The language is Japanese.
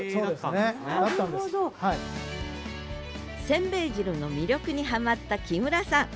せんべい汁の魅力にハマった木村さん。